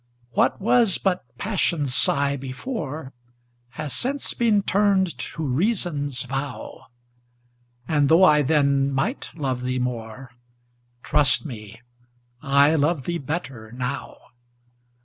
What was but Passion's sigh before, Has since been turned to Reason's vow; And, though I then might love thee more, Trust me, I love thee better now.